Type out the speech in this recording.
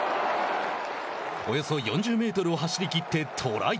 およそ４０メートルを走り切ってトライ。